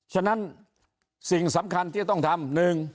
ฉะนั้นสิ่งสำคัญที่จะต้องทำ